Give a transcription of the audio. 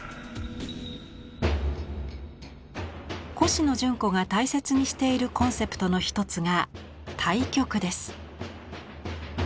コシノジュンコが大切にしているコンセプトの一つが「対極」です。